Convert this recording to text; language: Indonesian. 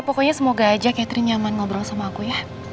pokoknya semoga aja catering nyaman ngobrol sama aku ya